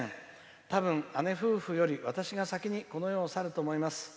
多分、姉夫婦より私が先にこの世を去ると思います。